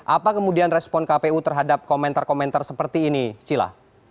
apa kemudian respon kpu terhadap komentar komentar seperti ini cila